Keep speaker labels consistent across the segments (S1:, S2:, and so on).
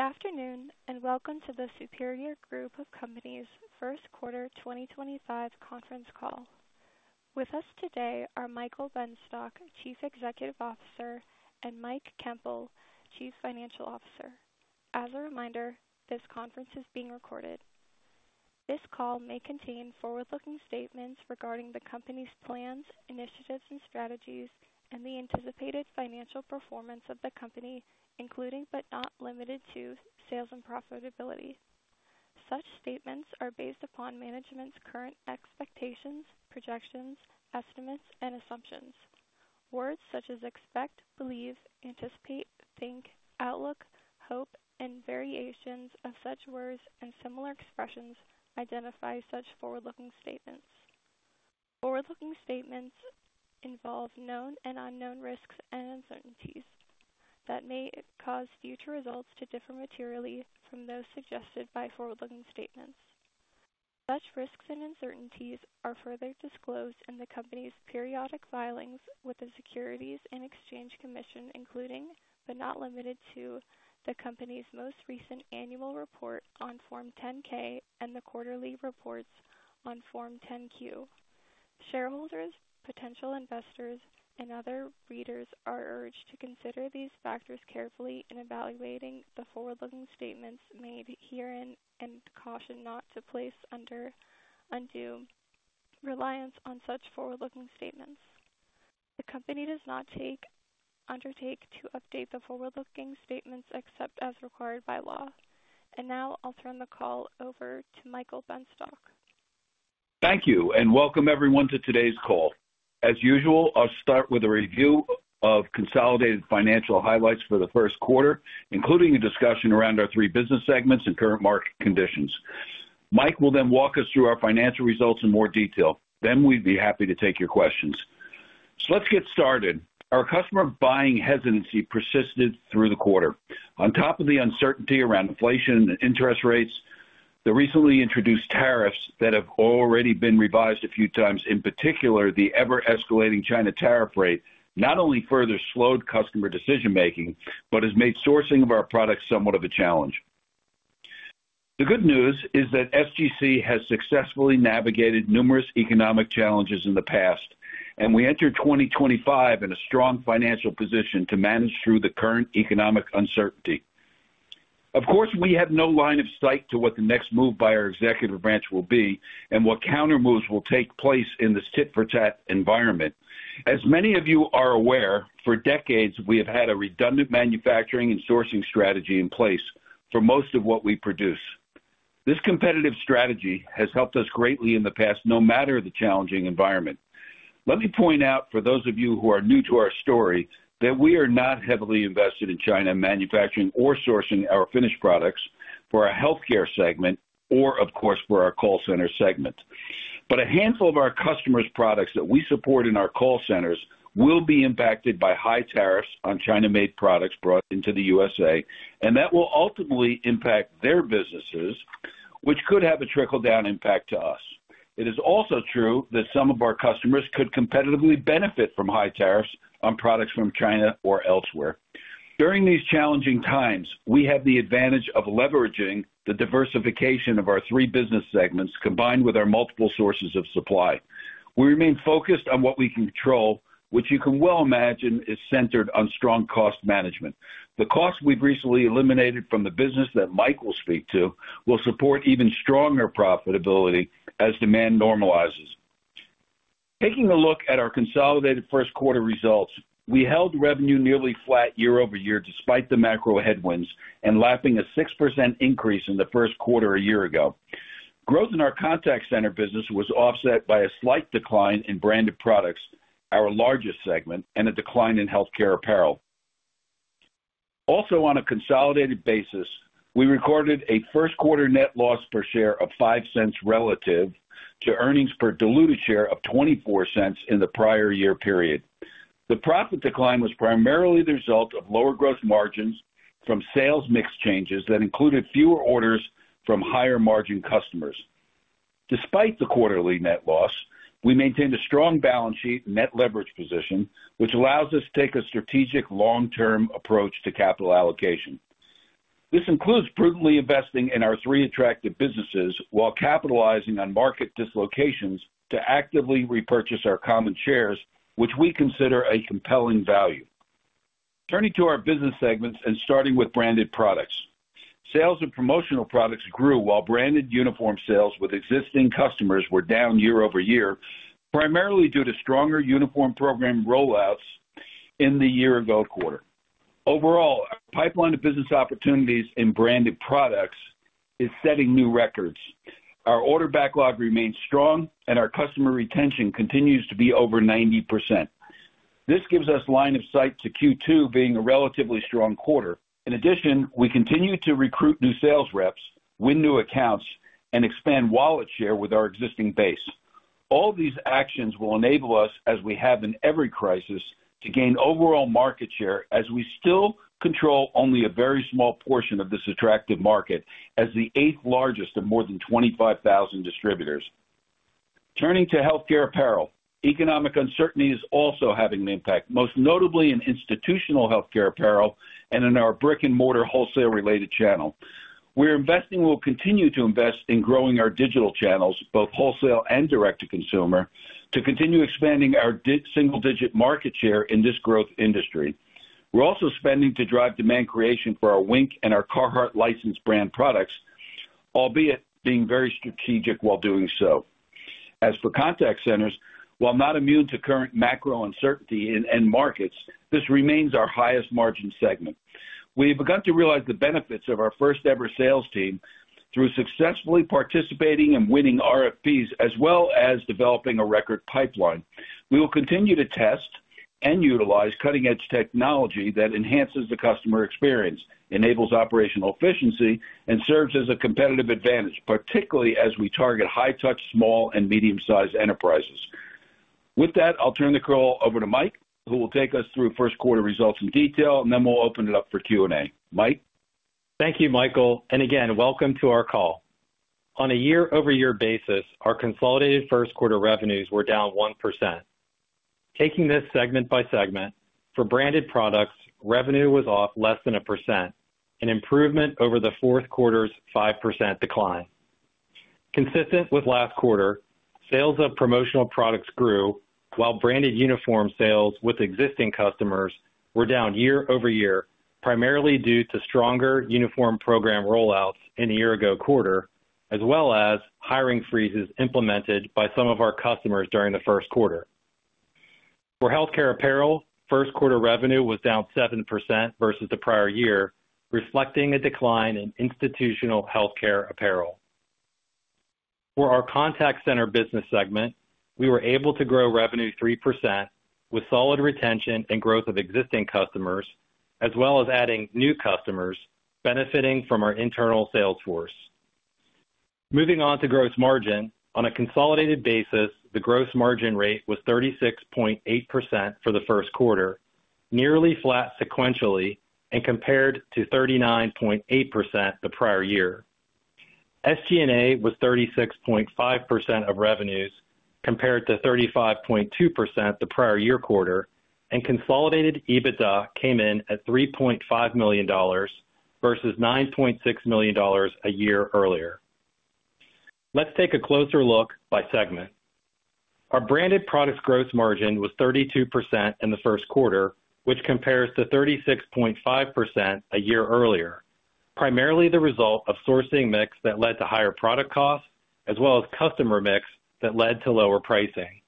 S1: Good afternoon, and welcome to the Superior Group of Companies' First Quarter 2025 Conference Call. With us today are Michael Benstock, Chief Executive Officer, and Mike Koempel, Chief Financial Officer. As a reminder, this conference is being recorded. This call may contain forward-looking statements regarding the company's plans, initiatives, and strategies, and the anticipated financial performance of the company, including but not limited to sales and profitability. Such statements are based upon management's current expectations, projections, estimates, and assumptions. Words such as expect, believe, anticipate, think, outlook, hope, and variations of such words and similar expressions identify such forward-looking statements. Forward-looking statements involve known and unknown risks and uncertainties that may cause future results to differ materially from those suggested by forward-looking statements. Such risks and uncertainties are further disclosed in the company's periodic filings with the Securities and Exchange Commission, including but not limited to the company's most recent annual report on Form 10-K and the quarterly reports on Form 10-Q. Shareholders, potential investors, and other readers are urged to consider these factors carefully in evaluating the forward-looking statements made herein and caution not to place undue reliance on such forward-looking statements. The company does not undertake to update the forward-looking statements except as required by law. Now I'll turn the call over to Michael Benstock.
S2: Thank you, and welcome everyone to today's call. As usual, I'll start with a review of consolidated financial highlights for the first quarter, including a discussion around our three business segments and current market conditions. Mike will then walk us through our financial results in more detail. Then we'd be happy to take your questions. Let's get started. Our customer buying hesitancy persisted through the quarter. On top of the uncertainty around inflation and interest rates, the recently introduced tariffs that have already been revised a few times, in particular the ever-escalating China tariff rate, not only further slowed customer decision-making but has made sourcing of our products somewhat of a challenge. The good news is that SGC has successfully navigated numerous economic challenges in the past, and we enter 2025 in a strong financial position to manage through the current economic uncertainty. Of course, we have no line of sight to what the next move by our executive branch will be and what counter moves will take place in this tit-for-tat environment. As many of you are aware, for decades we have had a redundant manufacturing and sourcing strategy in place for most of what we produce. This competitive strategy has helped us greatly in the past, no matter the challenging environment. Let me point out, for those of you who are new to our story, that we are not heavily invested in China manufacturing or sourcing our finished products for our healthcare segment or, of course, for our call center segment. A handful of our customers' products that we support in our call centers will be impacted by high tariffs on China-made products brought into the USA, and that will ultimately impact their businesses, which could have a trickle-down impact to us. It is also true that some of our customers could competitively benefit from high tariffs on products from China or elsewhere. During these challenging times, we have the advantage of leveraging the diversification of our three business segments combined with our multiple sources of supply. We remain focused on what we can control, which you can well imagine is centered on strong cost management. The cost we've recently eliminated from the business that Mike will speak to will support even stronger profitability as demand normalizes. Taking a look at our consolidated first quarter results, we held revenue nearly flat year-over-year despite the macro headwinds and lapping a 6% increase in the first quarter a year ago. Growth in our contact center business was offset by a slight decline in branded products, our largest segment, and a decline in healthcare apparel. Also, on a consolidated basis, we recorded a first quarter net loss per share of $0.05 relative to earnings per diluted share of $0.24 in the prior year period. The profit decline was primarily the result of lower gross margins from sales mix changes that included fewer orders from higher margin customers. Despite the quarterly net loss, we maintained a strong balance sheet and net leverage position, which allows us to take a strategic long-term approach to capital allocation. This includes prudently investing in our three attractive businesses while capitalizing on market dislocations to actively repurchase our common shares, which we consider a compelling value. Turning to our business segments and starting with branded products, sales of promotional products grew while branded uniform sales with existing customers were down year-over-year, primarily due to stronger uniform program rollouts in the year-ago quarter. Overall, our pipeline of business opportunities in branded products is setting new records. Our order backlog remains strong, and our customer retention continues to be over 90%. This gives us line of sight to Q2 being a relatively strong quarter. In addition, we continue to recruit new sales reps, win new accounts, and expand wallet share with our existing base. All these actions will enable us, as we have in every crisis, to gain overall market share as we still control only a very small portion of this attractive market as the eighth largest of more than 25,000 distributors. Turning to healthcare apparel, economic uncertainty is also having an impact, most notably in institutional healthcare apparel and in our brick-and-mortar wholesale-related channel. We're investing and will continue to invest in growing our digital channels, both wholesale and direct-to-consumer, to continue expanding our single-digit market share in this growth industry. We're also spending to drive demand creation for our Wink and our Carhartt licensed brand products, albeit being very strategic while doing so. As for contact centers, while not immune to current macro uncertainty in end markets, this remains our highest margin segment. We have begun to realize the benefits of our first-ever sales team through successfully participating and winning RFPs, as well as developing a record pipeline. We will continue to test and utilize cutting-edge technology that enhances the customer experience, enables operational efficiency, and serves as a competitive advantage, particularly as we target high-touch, small, and medium-sized enterprises. With that, I'll turn the call over to Mike, who will take us through first quarter results in detail, and then we'll open it up for Q&A. Mike.
S3: Thank you, Michael. Again, welcome to our call. On a year-over-year basis, our consolidated first quarter revenues were down 1%. Taking this segment by segment, for branded products, revenue was off less than 1%, an improvement over the fourth quarter's 5% decline. Consistent with last quarter, sales of promotional products grew, while branded uniform sales with existing customers were down year-over-year, primarily due to stronger uniform program rollouts in the year-ago quarter, as well as hiring freezes implemented by some of our customers during the first quarter. For healthcare apparel, first quarter revenue was down 7% versus the prior year, reflecting a decline in institutional healthcare apparel. For our contact center business segment, we were able to grow revenue 3% with solid retention and growth of existing customers, as well as adding new customers benefiting from our internal sales force. Moving on to gross margin, on a consolidated basis, the gross margin rate was 36.8% for the first quarter, nearly flat sequentially and compared to 39.8% the prior year. SG&A was 36.5% of revenues compared to 35.2% the prior year quarter, and consolidated EBITDA came in at $3.5 million versus $9.6 million a year earlier. Let's take a closer look by segment. Our branded products' gross margin was 32% in the first quarter, which compares to 36.5% a year earlier, primarily the result of sourcing mix that led to higher product costs, as well as customer mix that led to lower pricing.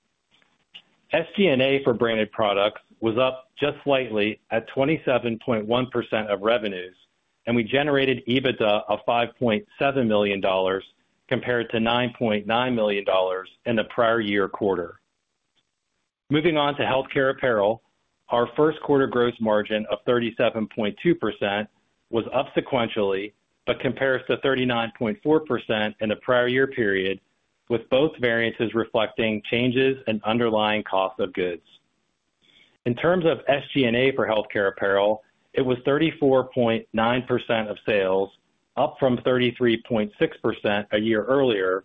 S3: SG&A for branded products was up just slightly at 27.1% of revenues, and we generated EBITDA of $5.7 million compared to $9.9 million in the prior year quarter. Moving on to healthcare apparel, our first quarter gross margin of 37.2% was up sequentially but compares to 39.4% in the prior year period, with both variances reflecting changes in underlying cost of goods. In terms of SG&A for healthcare apparel, it was 34.9% of sales, up from 33.6% a year earlier,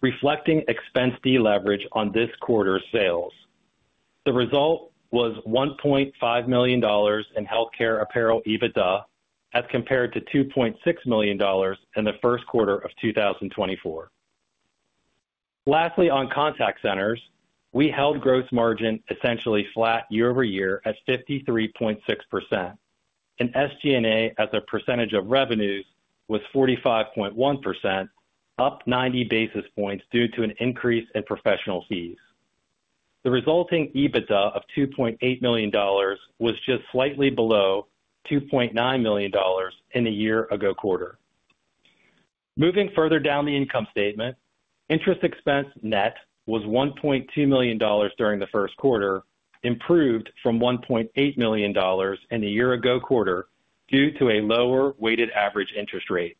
S3: reflecting expense deleverage on this quarter's sales. The result was $1.5 million in healthcare apparel EBITDA as compared to $2.6 million in the first quarter of 2024. Lastly, on contact centers, we held gross margin essentially flat year-over-year at 53.6%, and SG&A as a percentage of revenues was 45.1%, up 90 basis points due to an increase in professional fees. The resulting EBITDA of $2.8 million was just slightly below $2.9 million in the year-ago quarter. Moving further down the income statement, interest expense net was $1.2 million during the first quarter, improved from $1.8 million in the year-ago quarter due to a lower weighted average interest rate.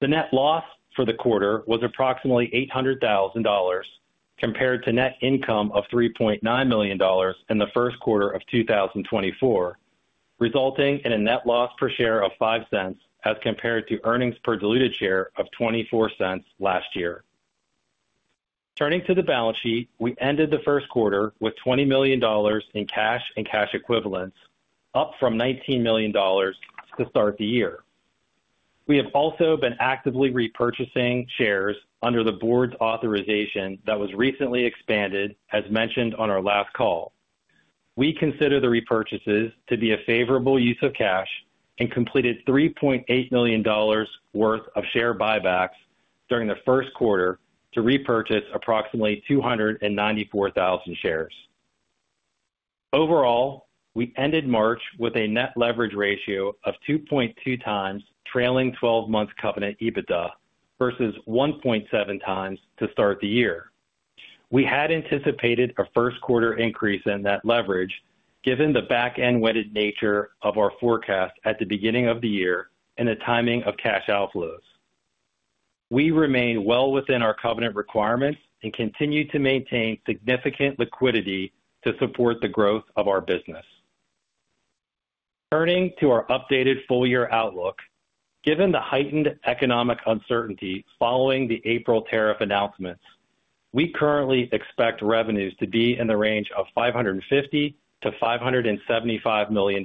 S3: The net loss for the quarter was approximately $800,000 compared to net income of $3.9 million in the first quarter of 2024, resulting in a net loss per share of $0.05 as compared to earnings per diluted share of $0.24 last year. Turning to the balance sheet, we ended the first quarter with $20 million in cash and cash equivalents, up from $19 million to start the year. We have also been actively repurchasing shares under the board's authorization that was recently expanded, as mentioned on our last call. We consider the repurchases to be a favorable use of cash and completed $3.8 million worth of share buybacks during the first quarter to repurchase approximately 294,000 shares. Overall, we ended March with a net leverage ratio of 2.2x trailing 12-month covenant EBITDA versus 1.7x to start the year. We had anticipated a first quarter increase in net leverage given the back-end wetted nature of our forecast at the beginning of the year and the timing of cash outflows. We remain well within our covenant requirements and continue to maintain significant liquidity to support the growth of our business. Turning to our updated full-year outlook, given the heightened economic uncertainty following the April tariff announcements, we currently expect revenues to be in the range of $550 million-$575 million,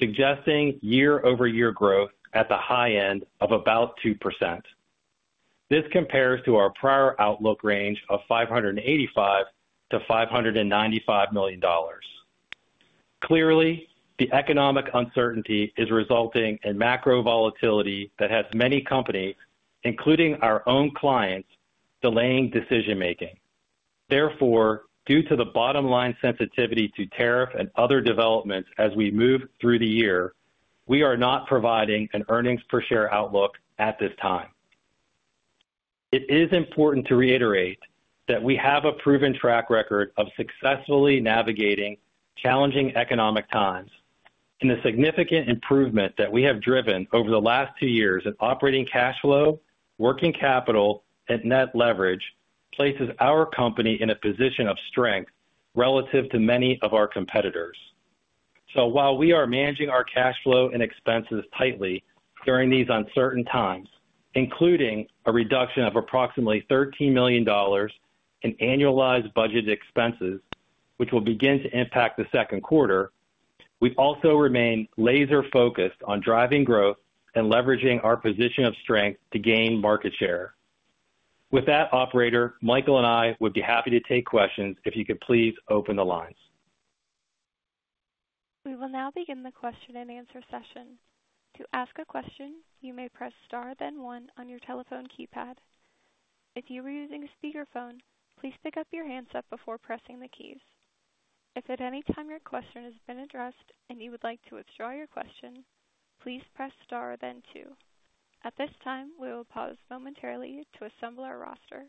S3: suggesting year-over-year growth at the high end of about 2%. This compares to our prior outlook range of $585million-$595 million. Clearly, the economic uncertainty is resulting in macro volatility that has many companies, including our own clients, delaying decision-making. Therefore, due to the bottom-line sensitivity to tariff and other developments as we move through the year, we are not providing an earnings per share outlook at this time. It is important to reiterate that we have a proven track record of successfully navigating challenging economic times, and the significant improvement that we have driven over the last two years in operating cash flow, working capital, and net leverage places our company in a position of strength relative to many of our competitors. While we are managing our cash flow and expenses tightly during these uncertain times, including a reduction of approximately $13 million in annualized budgeted expenses, which will begin to impact the second quarter, we also remain laser-focused on driving growth and leveraging our position of strength to gain market share. With that, Operator, Michael and I would be happy to take questions if you could please open the lines.
S1: We will now begin the question and answer session. To ask a question, you may press star, then one on your telephone keypad. If you are using a speakerphone, please pick up your handset before pressing the keys. If at any time your question has been addressed and you would like to withdraw your question, please press star, then two. At this time, we will pause momentarily to assemble our roster.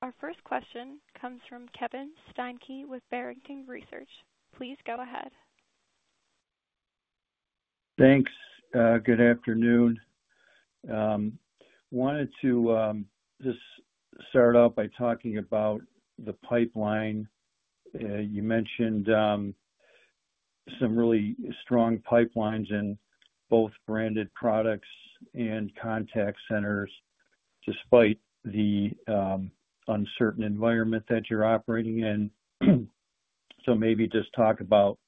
S1: Our first question comes from Kevin Steinke with Barrington Research. Please go ahead.
S4: Thanks. Good afternoon. Wanted to just start out by talking about the pipeline. You mentioned some really strong pipelines in both branded products and contact centers despite the uncertain environment that you're operating in. Maybe just talk about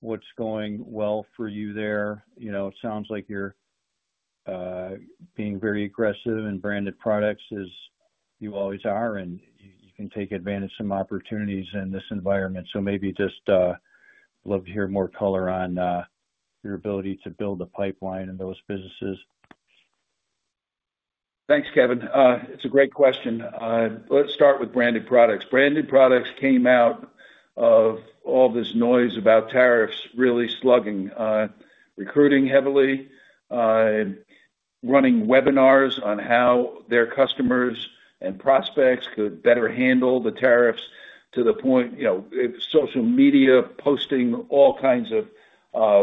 S4: what's going well for you there. It sounds like you're being very aggressive in branded products as you always are, and you can take advantage of some opportunities in this environment. Maybe just love to hear more color on your ability to build a pipeline in those businesses.
S2: Thanks, Kevin. It's a great question. Let's start with branded products. Branded products came out of all this noise about tariffs really slugging, recruiting heavily, running webinars on how their customers and prospects could better handle the tariffs to the point social media posting all kinds of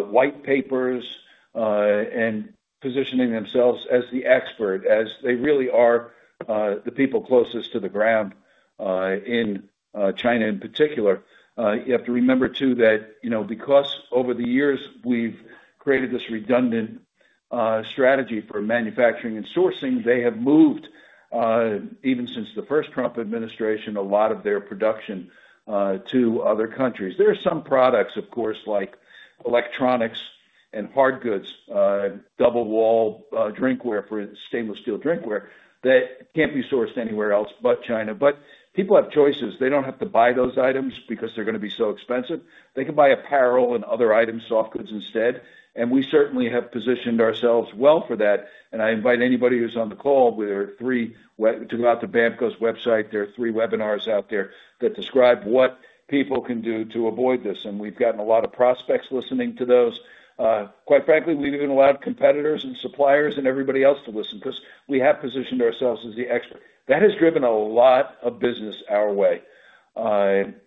S2: white papers and positioning themselves as the expert, as they really are the people closest to the ground in China in particular. You have to remember, too, that because over the years we've created this redundant strategy for manufacturing and sourcing, they have moved, even since the first Trump administration, a lot of their production to other countries. There are some products, of course, like electronics and hard goods, double-wall drinkware or stainless steel drinkware that can't be sourced anywhere else but China. People have choices. They don't have to buy those items because they're going to be so expensive. They can buy apparel and other items, soft goods instead. We certainly have positioned ourselves well for that. I invite anybody who's on the call, we're three, to go out to BAMCO's website. There are three webinars out there that describe what people can do to avoid this. We've gotten a lot of prospects listening to those. Quite frankly, we've even allowed competitors and suppliers and everybody else to listen because we have positioned ourselves as the expert. That has driven a lot of business our way. Like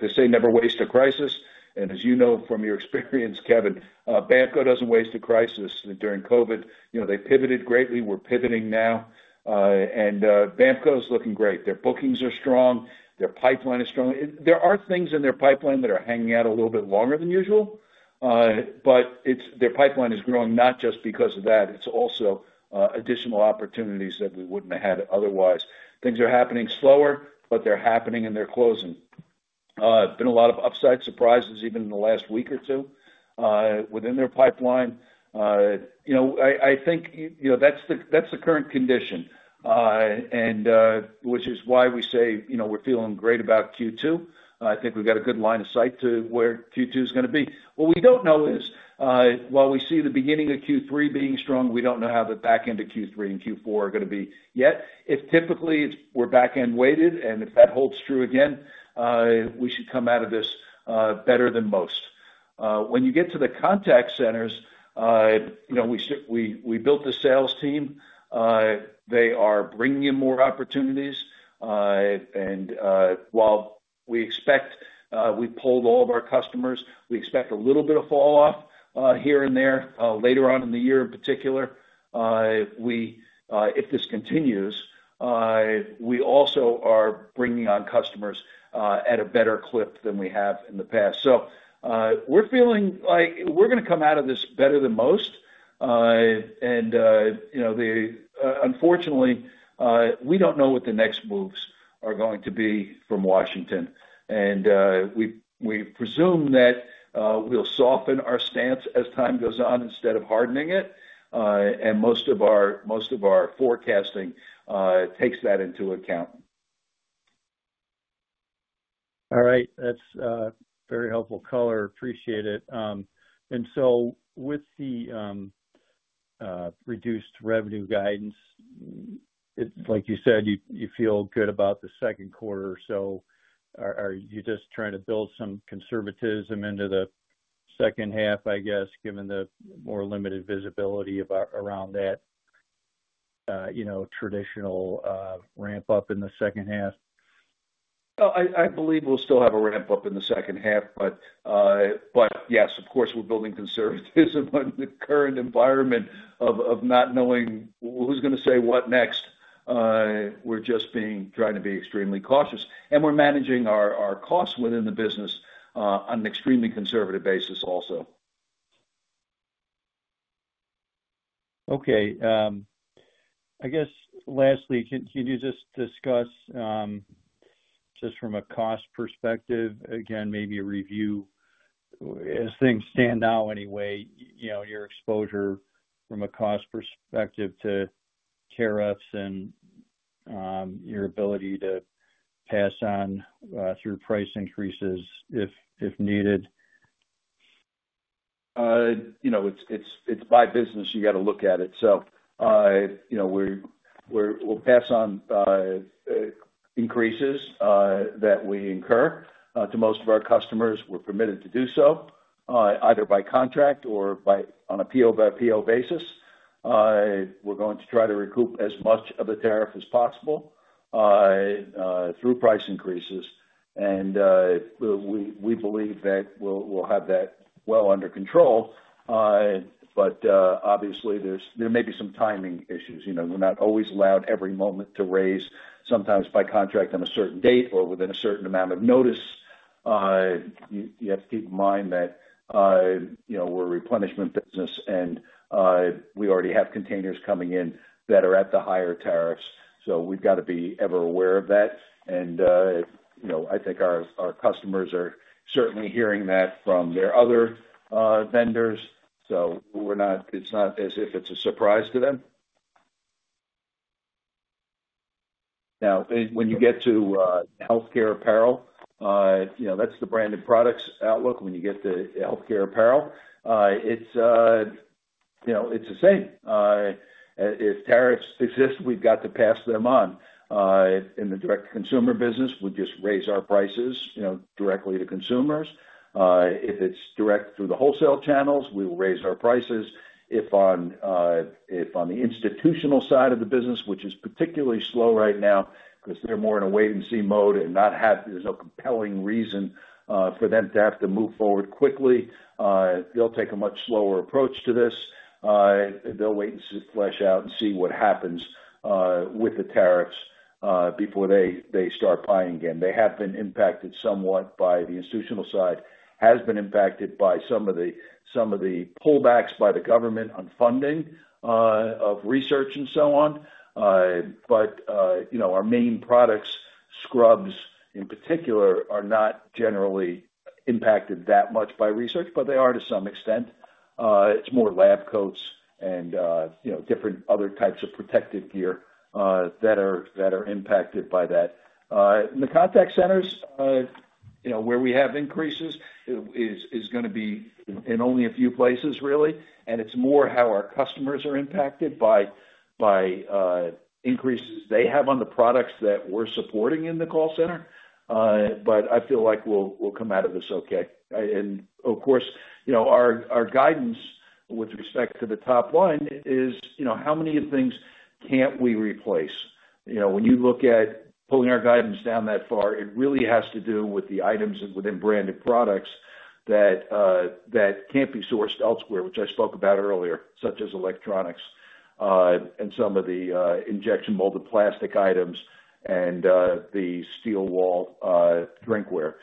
S2: they say, never waste a crisis. As you know from your experience, Kevin, BAMCO doesn't waste a crisis. During COVID, they pivoted greatly. We're pivoting now. BAMCO is looking great. Their bookings are strong. Their pipeline is strong. There are things in their pipeline that are hanging out a little bit longer than usual, but their pipeline is growing not just because of that. It's also additional opportunities that we wouldn't have had otherwise. Things are happening slower, but they're happening and they're closing. There have been a lot of upside surprises even in the last week or two within their pipeline. I think that's the current condition, which is why we say we're feeling great about Q2. I think we've got a good line of sight to where Q2 is going to be. What we don't know is, while we see the beginning of Q3 being strong, we don't know how the back end of Q3 and Q4 are going to be yet. If typically we're back end weighted, and if that holds true again, we should come out of this better than most. When you get to the contact centers, we built the sales team. They are bringing in more opportunities. While we expect we've pulled all of our customers, we expect a little bit of falloff here and there later on in the year in particular. If this continues, we also are bringing on customers at a better clip than we have in the past. We're feeling like we're going to come out of this better than most. Unfortunately, we don't know what the next moves are going to be from Washington. We presume that we'll soften our stance as time goes on instead of hardening it. Most of our forecasting takes that into account.
S4: All right. That's very helpful color. Appreciate it. And with the reduced revenue guidance, like you said, you feel good about the second quarter. Are you just trying to build some conservatism into the second half, I guess, given the more limited visibility around that traditional ramp-up in the second half?
S2: I believe we'll still have a ramp-up in the second half. Yes, of course, we're building conservatism in the current environment of not knowing who's going to say what next. We're just trying to be extremely cautious. We're managing our costs within the business on an extremely conservative basis also.
S4: Okay. I guess lastly, can you just discuss just from a cost perspective, again, maybe review as things stand now anyway, your exposure from a cost perspective to tariffs and your ability to pass on through price increases if needed?
S2: It's my business. You got to look at it. We'll pass on increases that we incur to most of our customers. We're permitted to do so either by contract or on a PO-by-PO basis. We're going to try to recoup as much of the tariff as possible through price increases. We believe that we'll have that well under control. Obviously, there may be some timing issues. We're not always allowed every moment to raise, sometimes by contract on a certain date or within a certain amount of notice. You have to keep in mind that we're a replenishment business, and we already have containers coming in that are at the higher tariffs. We've got to be ever aware of that. I think our customers are certainly hearing that from their other vendors. It's not as if it's a surprise to them. Now, when you get to healthcare apparel, that's the branded products outlook. When you get to healthcare apparel, it's the same. If tariffs exist, we've got to pass them on. In the direct-to-consumer business, we just raise our prices directly to consumers. If it's direct through the wholesale channels, we will raise our prices. If on the institutional side of the business, which is particularly slow right now because they're more in a wait-and-see mode and there's no compelling reason for them to have to move forward quickly, they'll take a much slower approach to this. They'll wait and flesh out and see what happens with the tariffs before they start buying again. They have been impacted somewhat by the institutional side. It has been impacted by some of the pullbacks by the government on funding of research and so on. Our main products, scrubs in particular, are not generally impacted that much by research, but they are to some extent. It is more lab coats and different other types of protective gear that are impacted by that. In the contact centers, where we have increases, it is going to be in only a few places, really. It is more how our customers are impacted by increases they have on the products that we are supporting in the call center. I feel like we will come out of this okay. Of course, our guidance with respect to the top line is how many of the things cannot we replace? When you look at pulling our guidance down that far, it really has to do with the items within branded products that can't be sourced elsewhere, which I spoke about earlier, such as electronics and some of the injection-molded plastic items and the stainless steel drinkware.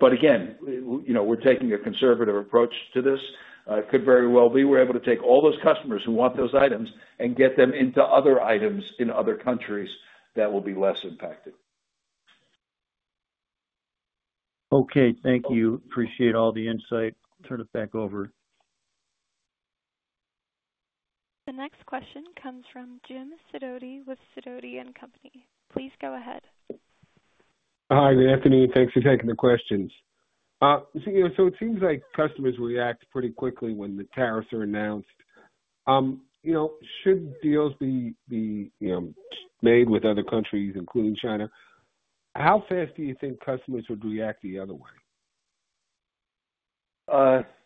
S2: Again, we're taking a conservative approach to this. It could very well be we're able to take all those customers who want those items and get them into other items in other countries that will be less impacted.
S4: Okay. Thank you. Appreciate all the insight. Turn it back over.
S1: The next question comes from Jim Sidoti with Sidoti & Company. Please go ahead.
S5: Hi, Anthony. Thanks for taking the questions. It seems like customers react pretty quickly when the tariffs are announced. Should deals be made with other countries, including China, how fast do you think customers would react the other way?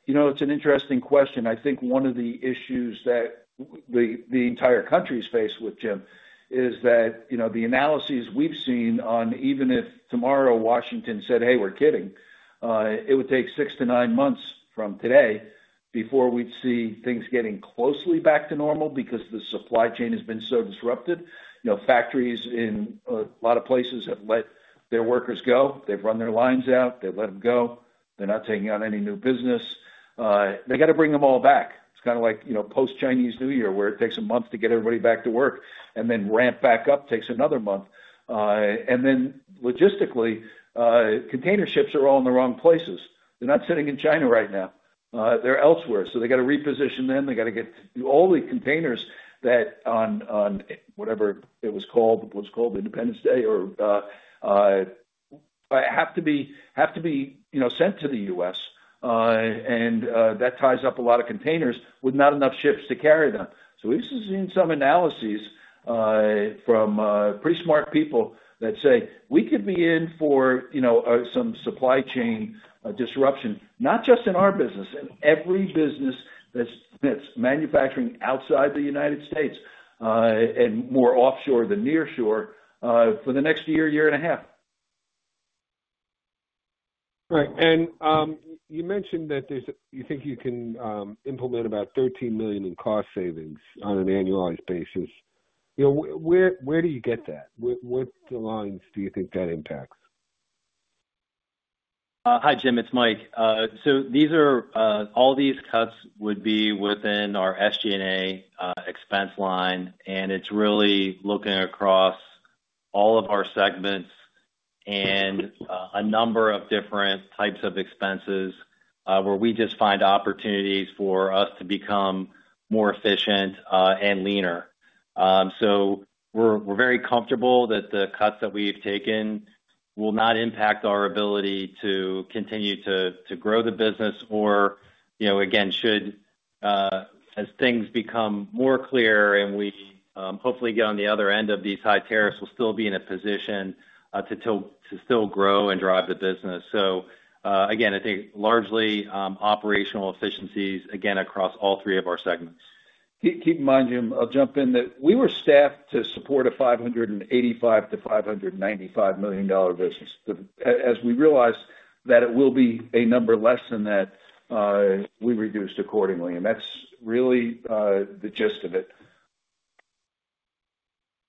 S2: It's an interesting question. I think one of the issues that the entire country is faced with, Jim, is that the analyses we've seen on even if tomorrow Washington said, "Hey, we're kidding," it would take six to nine months from today before we'd see things getting closely back to normal because the supply chain has been so disrupted. Factories in a lot of places have let their workers go. They've run their lines out. They've let them go. They're not taking on any new business. They got to bring them all back. It's kind of like post-Chinese New Year where it takes a month to get everybody back to work and then ramp back up takes another month. Logistically, container ships are all in the wrong places. They're not sitting in China right now. They're elsewhere. They got to reposition them. They got to get all the containers that on whatever it was called Independence Day or have to be sent to the U.S. That ties up a lot of containers with not enough ships to carry them. We have seen some analyses from pretty smart people that say, "We could be in for some supply chain disruption, not just in our business, in every business that's manufacturing outside the United States and more offshore than nearshore for the next year, year and a half.
S5: Right. You mentioned that you think you can implement about $13 million in cost savings on an annualized basis. Where do you get that? What lines do you think that impacts?
S3: Hi, Jim. It's Mike. All these cuts would be within our SG&A expense line. It's really looking across all of our segments and a number of different types of expenses where we just find opportunities for us to become more efficient and leaner. We're very comfortable that the cuts that we've taken will not impact our ability to continue to grow the business. Again, as things become more clear and we hopefully get on the other end of these high tariffs, we'll still be in a position to still grow and drive the business. I think largely operational efficiencies, again, across all three of our segments.
S2: Keep in mind, Jim, I'll jump in that we were staffed to support a $585 million-$595 million business. As we realized that it will be a number less than that, we reduced accordingly. That is really the gist of it.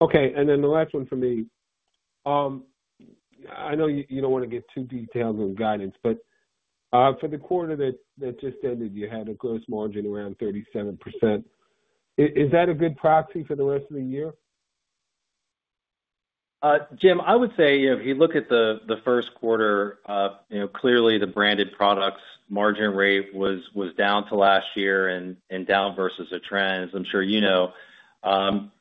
S5: Okay. And then the last one for me. I know you don't want to get too detailed on guidance, but for the quarter that just ended, you had a gross margin around 37%. Is that a good proxy for the rest of the year?
S3: Jim, I would say if you look at the first quarter, clearly the branded products margin rate was down to last year and down versus a trend, as I'm sure you know.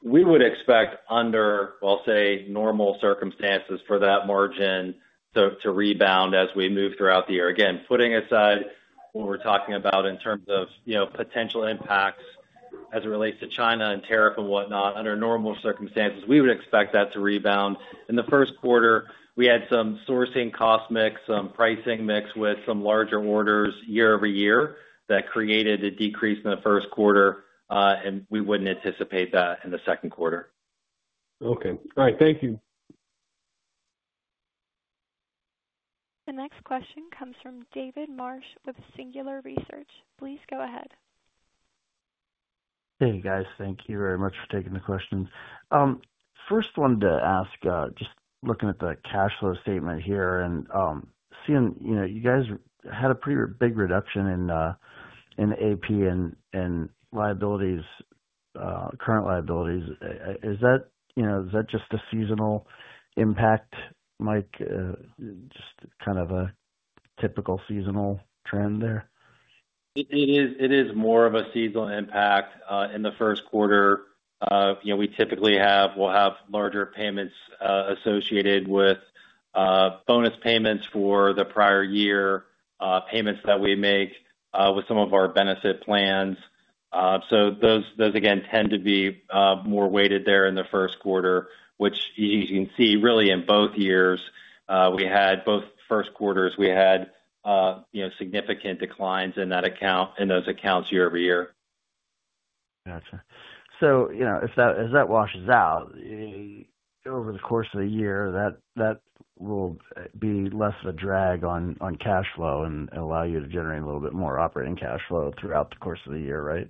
S3: We would expect under, say, normal circumstances for that margin to rebound as we move throughout the year. Again, putting aside what we're talking about in terms of potential impacts as it relates to China and tariff and whatnot, under normal circumstances, we would expect that to rebound. In the first quarter, we had some sourcing cost mix, some pricing mix with some larger orders year-over-year that created a decrease in the first quarter. We wouldn't anticipate that in the second quarter.
S5: Okay. All right. Thank you.
S1: The next question comes from David Marsh with Singular Research. Please go ahead.
S6: Hey, guys. Thank you very much for taking the questions. First, I wanted to ask, just looking at the cash flow statement here and seeing you guys had a pretty big reduction in AP and current liabilities. Is that just a seasonal impact, Mike? Just kind of a typical seasonal trend there?
S3: It is more of a seasonal impact. In the first quarter, we typically will have larger payments associated with bonus payments for the prior year, payments that we make with some of our benefit plans. Those, again, tend to be more weighted there in the first quarter, which you can see really in both years. We had both first quarters, we had significant declines in those accounts year-over-year.
S6: Gotcha. As that washes out over the course of the year, that will be less of a drag on cash flow and allow you to generate a little bit more operating cash flow throughout the course of the year, right?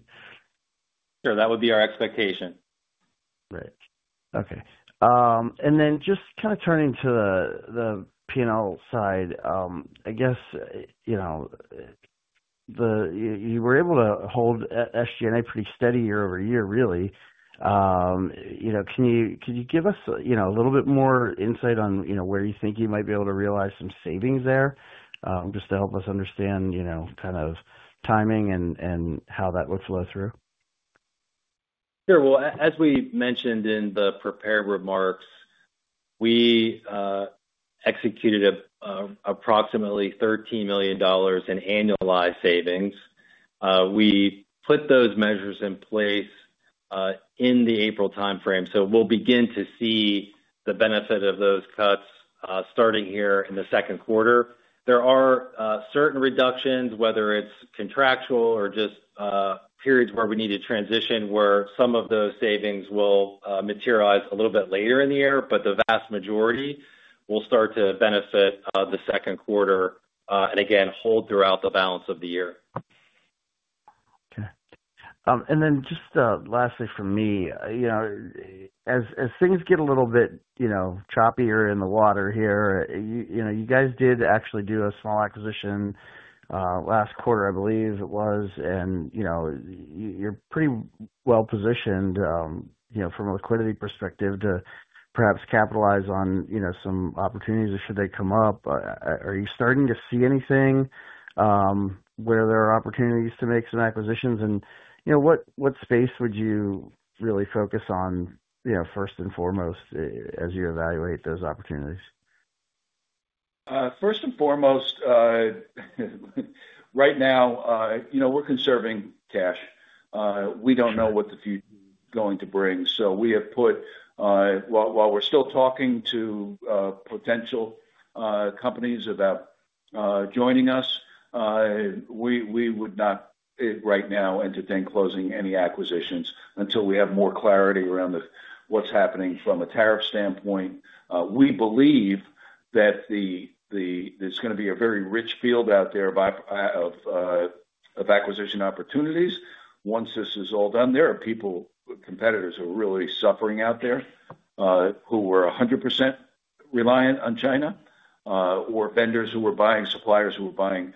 S3: Sure. That would be our expectation.
S6: Right. Okay. Just kind of turning to the P&L side, I guess you were able to hold SG&A pretty steady year-over-year, really. Can you give us a little bit more insight on where you think you might be able to realize some savings there just to help us understand kind of timing and how that would flow through?
S3: Sure. As we mentioned in the prepared remarks, we executed approximately $13 million in annualized savings. We put those measures in place in the April timeframe. We'll begin to see the benefit of those cuts starting here in the second quarter. There are certain reductions, whether it's contractual or just periods where we need to transition, where some of those savings will materialize a little bit later in the year, but the vast majority will start to benefit the second quarter and again, hold throughout the balance of the year.
S6: Okay. And then just lastly for me, as things get a little bit choppier in the water here, you guys did actually do a small acquisition last quarter, I believe it was. And you're pretty well positioned from a liquidity perspective to perhaps capitalize on some opportunities should they come up. Are you starting to see anything where there are opportunities to make some acquisitions? And what space would you really focus on first and foremost as you evaluate those opportunities?
S2: First and foremost, right now, we're conserving cash. We don't know what the future is going to bring. So we have put, while we're still talking to potential companies about joining us, we would not right now entertain closing any acquisitions until we have more clarity around what's happening from a tariff standpoint. We believe that there's going to be a very rich field out there of acquisition opportunities. Once this is all done, there are competitors who are really suffering out there who were 100% reliant on China or vendors who were buying suppliers who were buying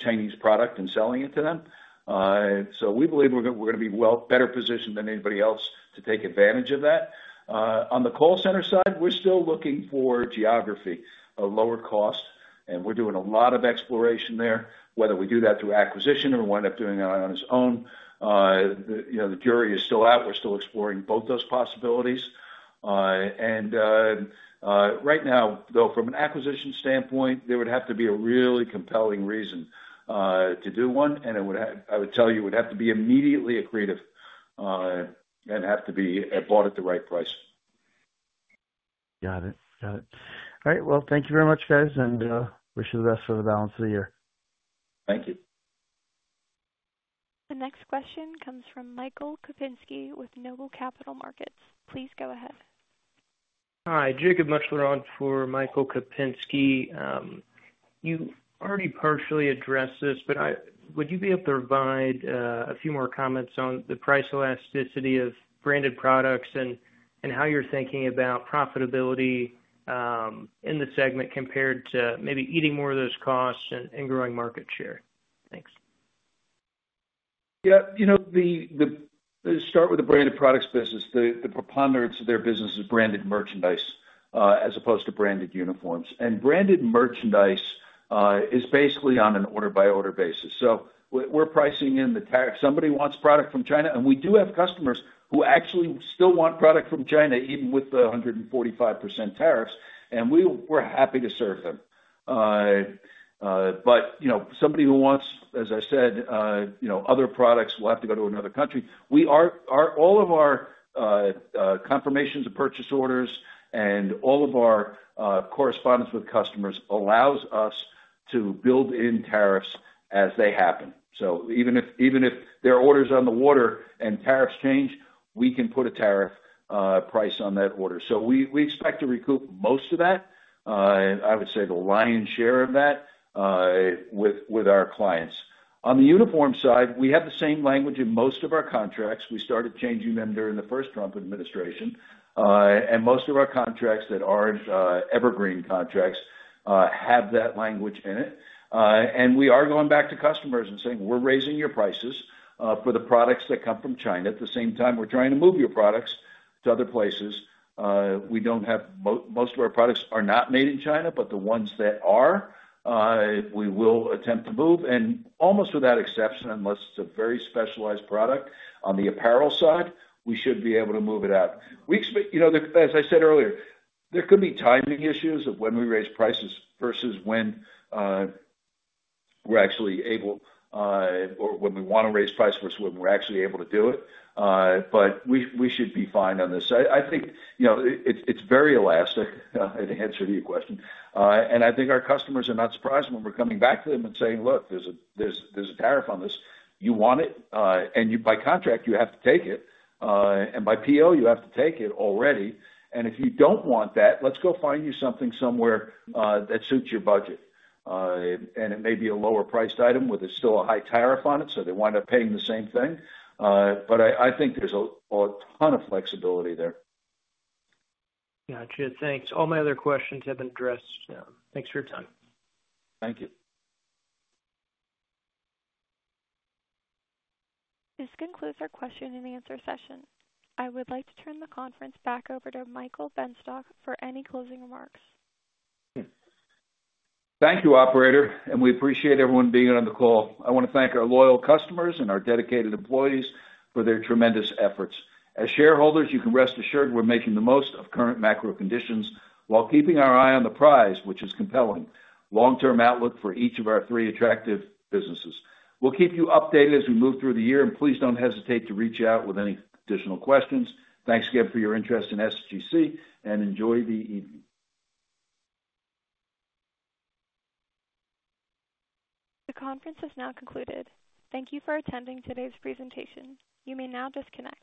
S2: Chinese product and selling it to them. So we believe we're going to be better positioned than anybody else to take advantage of that. On the call center side, we're still looking for geography of lower cost, and we're doing a lot of exploration there. Whether we do that through acquisition or wind up doing it on its own, the jury is still out. We're still exploring both those possibilities. Right now, though, from an acquisition standpoint, there would have to be a really compelling reason to do one. I would tell you it would have to be immediately accretive and have to be bought at the right price.
S6: Got it. Got it. All right. Thank you very much, guys, and wish you the best for the balance of the year.
S2: Thank you.
S1: The next question comes from Michael Kupinski with Noble Capital Markets. Please go ahead.
S7: Hi. Jacob Mutchler for Michael Kupinski. You already partially addressed this, but would you be able to provide a few more comments on the price elasticity of branded products and how you're thinking about profitability in the segment compared to maybe eating more of those costs and growing market share? Thanks.
S2: Yeah. Let's start with the branded products business. The preponderance of their business is branded merchandise as opposed to branded uniforms. And branded merchandise is basically on an order-by-order basis. So we're pricing in the tariff. Somebody wants product from China, and we do have customers who actually still want product from China, even with the 145% tariffs. We're happy to serve them. Somebody who wants, as I said, other products, will have to go to another country. All of our confirmations of purchase orders and all of our correspondence with customers allows us to build in tariffs as they happen. Even if there are orders on the water and tariffs change, we can put a tariff price on that order. We expect to recoup most of that. I would say the lion's share of that with our clients. On the uniform side, we have the same language in most of our contracts. We started changing them during the first Trump administration. Most of our contracts that are not evergreen contracts have that language in it. We are going back to customers and saying, "We're raising your prices for the products that come from China. At the same time, we're trying to move your products to other places." Most of our products are not made in China, but the ones that are, we will attempt to move. Almost without exception, unless it is a very specialized product on the apparel side, we should be able to move it out. As I said earlier, there could be timing issues of when we raise prices versus when we are actually able or when we want to raise price versus when we are actually able to do it. We should be fine on this. I think it's very elastic, the answer to your question. I think our customers are not surprised when we're coming back to them and saying, "Look, there's a tariff on this. You want it. By contract, you have to take it. By PO, you have to take it already. If you don't want that, let's go find you something somewhere that suits your budget." It may be a lower-priced item with still a high tariff on it, so they wind up paying the same thing. I think there's a ton of flexibility there.
S7: Gotcha. Thanks. All my other questions have been addressed. Thanks for your time.
S2: Thank you.
S1: This concludes our question and answer session. I would like to turn the conference back over to Michael Benstock for any closing remarks.
S2: Thank you, operator. We appreciate everyone being on the call. I want to thank our loyal customers and our dedicated employees for their tremendous efforts. As shareholders, you can rest assured we're making the most of current macro conditions while keeping our eye on the prize, which is a compelling long-term outlook for each of our three attractive businesses. We'll keep you updated as we move through the year. Please do not hesitate to reach out with any additional questions. Thanks again for your interest in SGC, and enjoy the evening.
S1: The conference has now concluded. Thank you for attending today's presentation. You may now disconnect.